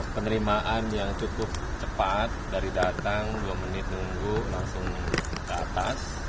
penerimaan yang cukup cepat dari datang dua menit menunggu langsung ke atas